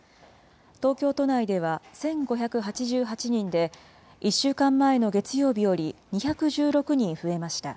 東京都内では、１５８８人で、１週間前の月曜日より２１６人増えました。